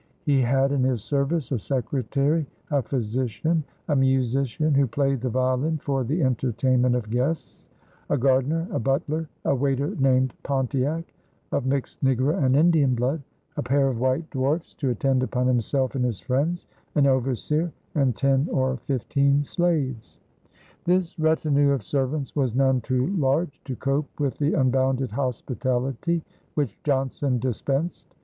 He had in his service a secretary, a physician, a musician who played the violin for the entertainment of guests, a gardener, a butler, a waiter named Pontiach, of mixed negro and Indian blood, a pair of white dwarfs to attend upon himself and his friends, an overseer, and ten or fifteen slaves. This retinue of servants was none too large to cope with the unbounded hospitality which Johnson dispensed.